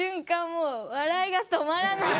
もう笑いが止まらない。